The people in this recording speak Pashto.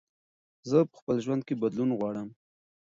زه په خپل ژوند کې بدلون غواړم.